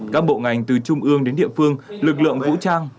các bộ ngành từ trung ương đến địa phương lực lượng vũ trang